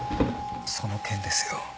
その件ですよ。